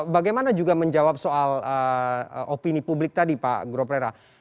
bagaimana juga menjawab soal opini publik tadi pak groplera